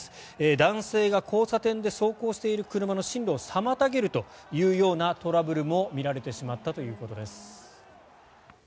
男性が交差点で走行している車の進路を妨げるというようなトラブルも見られてしまったということです。